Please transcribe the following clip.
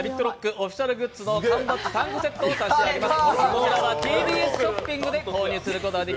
オフィシャルグッズ缶バッチ３個セットを差し上げます。